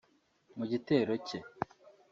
Mu gitero cye